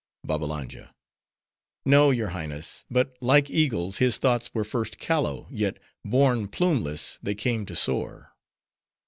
BABBALANJA—No, your Highness; but like eagles, his thoughts were first callow; yet, born plumeless, they came to soar.